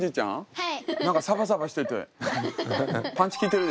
はい。